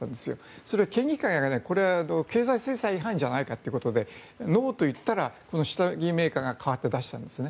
それが県議会がこれは経済制裁違反じゃないかということでノーと言ったら下着メーカーが代わって出したんですね。